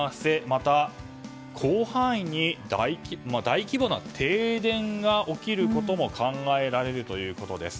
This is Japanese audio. また、広範囲に大規模な停電が起きることも考えられるということです。